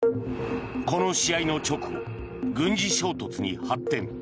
この試合の直後軍事衝突に発展。